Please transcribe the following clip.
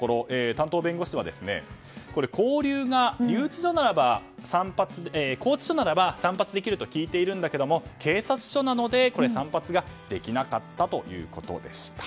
担当弁護士は、勾留が拘置所ならば散髪できると聞いているんだけれども警察署なので散髪ができなかったということでした。